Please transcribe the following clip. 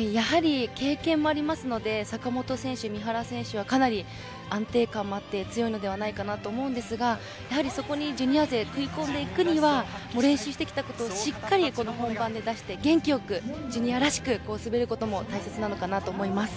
やはり経験もありますので坂本選手、三原選手はかなり安定感もあって強いのではないかと思うんですがそこにジュニア勢が食い込んでいくには練習してきたことをしっかり本番で出だして元気よくジュニアらしく滑ることも大切だと思います。